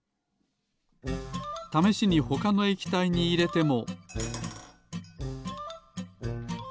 ためしにほかの液体にいれても。